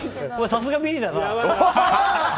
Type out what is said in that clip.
さすがビリだな。